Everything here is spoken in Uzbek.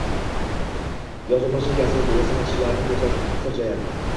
Yozuvchi mashinkasi yasama tishlarini ko’rsatib tirjayadi…